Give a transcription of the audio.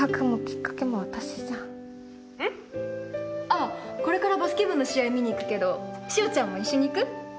あっこれからバスケ部の試合見に行くけどしおちゃんも一緒に行く？